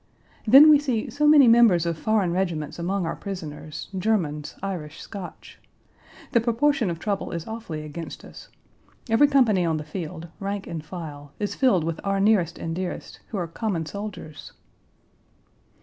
Then we see so many members of foreign regiments among our prisoners Germans, Irish, Scotch. The proportion of trouble is awfully against us. Every company on the field, rank and file, is filled with our nearest and dearest, who are common soldiers.